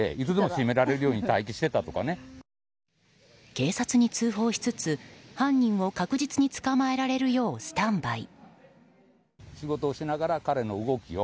警察に通報しつつ犯人を確実に捕まえられるようスタンバイ。